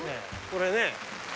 これね。